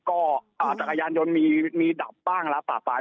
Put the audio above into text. ก็จากอายานยนต์มีดับบ้างแล้วปากปาย